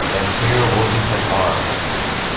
And there wasn't an arm!